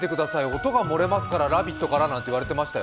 音が漏れますから、「ラヴィット！」からなんて言われましたよ。